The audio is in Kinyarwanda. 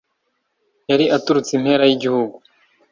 yari aturutse impera y'igihugu,